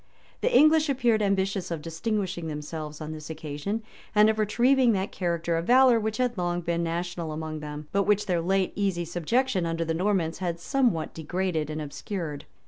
The English appeared ambitious of distinguishing themselves on this occasion, and of retrieving that character of valor which had long been national among them, but which their late easy subjection under the Normans had some what degraded and obscured.